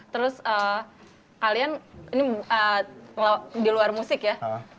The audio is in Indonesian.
terus kalian ini di luar musik ya